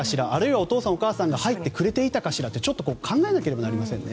お父さん、お母さんが入っていてくれていたかしらとちょっと考えなければなりませんね。